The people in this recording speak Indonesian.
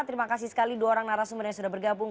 terima kasih sekali dua orang narasumber yang sudah bergabung